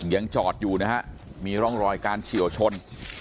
ยังจอดอยู่นะฮะมีร่องรอยการเฉียวชน